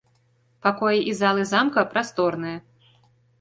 Пакоі і залы замка прасторныя.